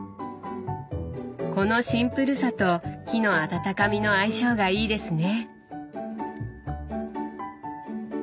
このシンプルさと木の温かみの相性がいいですね。